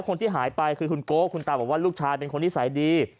แล้วคนที่หายไปคือคุณโกส์คุณตาบ่วนว่าลูกชายเป็นคนที่ใส่ดี